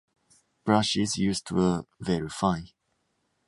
Brushes used were very fine.